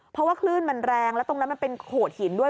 เพราะว่าคลื่นมันแรงแล้วตรงนั้นมันเป็นโขดหินด้วย